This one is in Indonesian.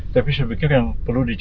tapi saya pikir yang perlu dicari